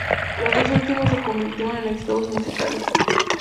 Los dos últimos se convirtieron en exitosos musicales.